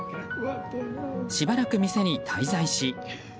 しばらく店に滞在し。